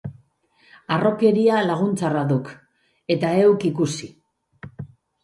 Harrokeria lagun txarra duk, eta heuk ikus....